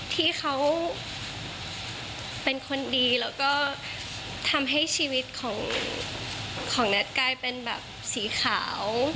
ที่เขาเป็นคนดีแล้วก็ทำให้ชีวิตของแท็กกลายเป็นแบบสีขาว